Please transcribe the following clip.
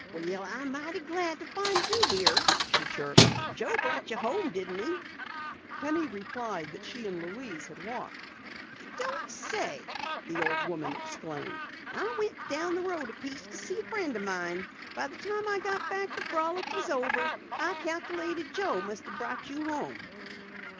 "Well, I'm mighty glad to find you here," she chirped. "Joe brought you home, didn't he?" Penny replied that she and Louise had walked. "You don't say!" the old woman exclaimed. "I went down the road a piece to see a friend o' mine. By the time I got back the frolic was over. I calculated Joe must have brought you home."